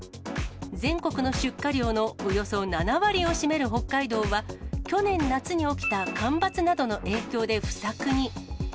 全国の出荷量のおよそ７割を占める北海道は、去年夏に起きた干ばつなどの影響で不作に。